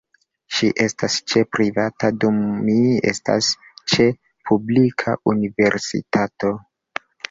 Ŝi estas ĉe privata dum mi estas ĉe publika universitato.